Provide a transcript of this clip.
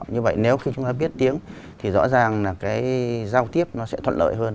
như vậy nếu khi chúng ta biết tiếng thì rõ ràng là cái giao tiếp nó sẽ thuận lợi hơn